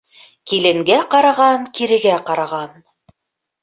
Киленгә ҡараған кирегә ҡараған.